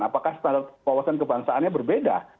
apakah standar wawasan kebangsaannya berbeda